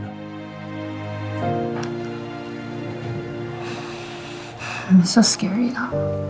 aku sangat takut ya